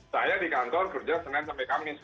saya di kantor kerja senin sampai kamis